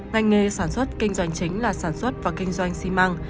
ngành nghề sản xuất kinh doanh chính là sản xuất và kinh doanh xi măng